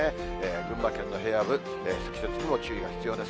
群馬県の平野部、積雪にも注意が必要です。